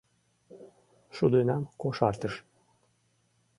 Шудынам кошартыш.